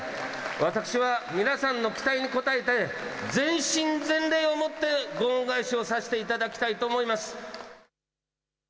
私は、皆さんの期待に応えて、全身全霊をもってご恩返しをさせていただきたいと思います。